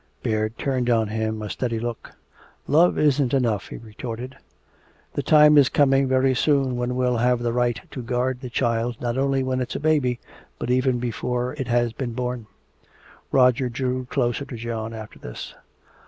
Baird turned on him a steady look. "Love isn't enough," he retorted. "The time is coming very soon when we'll have the right to guard the child not only when it's a baby but even before it has been born." Roger drew closer to John after this.